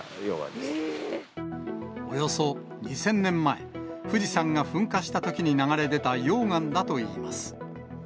およそ２０００年前、富士山が噴火したときに流れ出た溶岩だといいます。